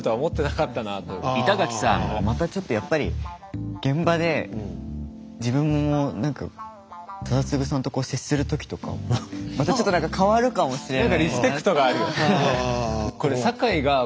またちょっとやっぱり現場で自分も忠次さんと接する時とかまたちょっと何か変わるかもしれない。